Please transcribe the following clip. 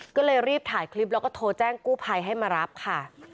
ก็เลยรีบถ่ายคลิปแล้วก็โทรแจ้งกู้ภัยให้มารับค่ะ